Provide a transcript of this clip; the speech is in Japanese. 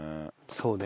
そうね。